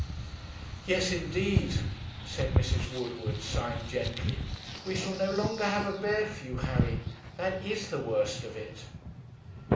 'Yes, indeed,' said Mrs. Woodward, sighing gently, 'we shall no longer have a bed for you, Harry; that is the worst of it.'